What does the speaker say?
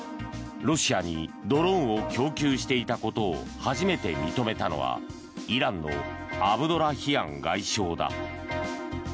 ロシアにドローンを供給していたことを初めて認めたのはイランのアブドラヒアン外相だ。